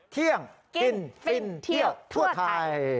เที่ยงกินฟินเที่ยวทั่วไทย